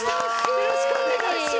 よろしくお願いします！